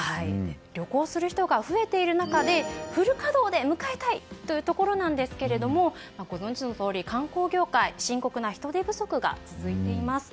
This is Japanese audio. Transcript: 旅行する人が増えている中でフル稼働で迎えたい！というところなんですけれどもご存じのとおり、観光業界は深刻な人手不足が続いています。